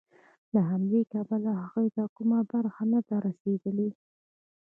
له همدې کبله هغوی ته کومه برخه نه ده رسېدلې